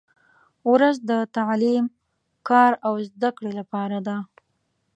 • ورځ د تعلیم، کار او زدهکړې لپاره ده.